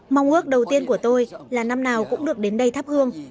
mong ước đầu tiên của tôi là năm nào cũng được đến đây thắp hương